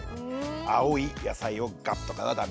青い野菜をガッとかがダメ。